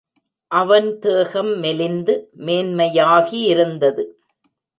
அவன் தேகம் மெலிந்து மேன்மையாகியிருந்தது.